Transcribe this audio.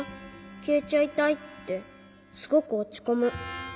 きえちゃいたい」ってすごくおちこむ。